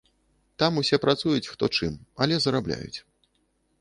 Там усе працуюць, хто чым, але зарабляюць.